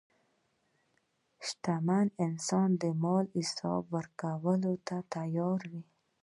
شتمن انسان د مال حساب ورکولو ته تیار وي.